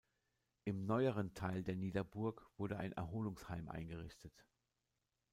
Im neueren Teil der Niederburg wurde ein Erholungsheim eingerichtet.